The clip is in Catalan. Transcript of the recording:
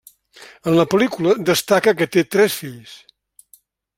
En la pel·lícula destaca que té tres fills.